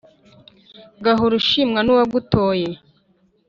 gahore ushimwa n’uwagutoye